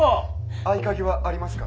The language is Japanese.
・合鍵はありますか？